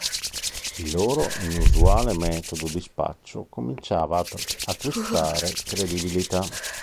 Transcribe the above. Il loro inusuale metodo di spaccio cominciava ad acquistare credibilità.